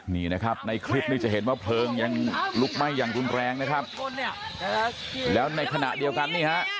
นี่นะครับในคลิปนี้จะเห็นว่าเพลิงยังลุกไหม้อย่างรุนแรงนะครับแล้วในขณะเดียวกันนี่ฮะ